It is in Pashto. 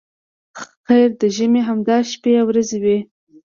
خیر د ژمي همدا شپې او ورځې وې.